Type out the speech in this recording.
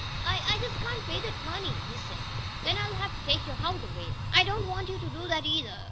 "I I just can't pay that money," he said. "Then I'll have to take your house away." "I I don't want you to do that, either."